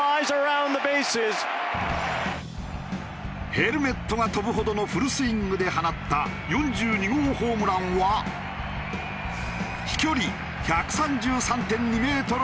ヘルメットが飛ぶほどのフルスイングで放った４２号ホームランは。の豪快弾。